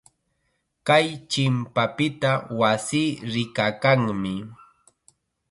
Kay chimpapita wasii rikakanmi.